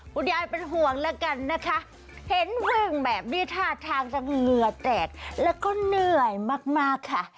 คุณยายเป็นห่วงแล้วกันนะคะเห็นวิ่งแบบนี้ท่าทางทั้งเหงื่อแตกแล้วก็เหนื่อยมากค่ะ